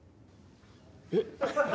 えっ？